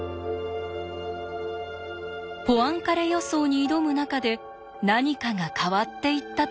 ポアンカレ予想に挑む中で何かが変わっていったというのです。